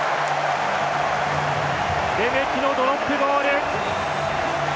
レメキのドロップゴール！